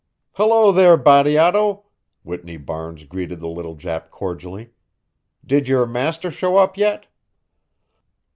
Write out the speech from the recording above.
"Hello there, Bateato," Whitney Barnes greeted the little Jap cordially. "Did your master show up yet?"